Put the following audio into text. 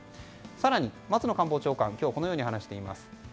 更に、松野官房長官は今日、このように話しています。